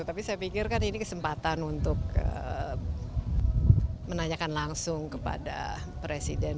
tapi saya pikir kan ini kesempatan untuk menanyakan langsung kepada presiden